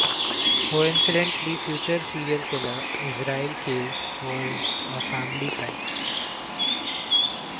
Coincidently, future serial killer Israel Keyes was a family friend.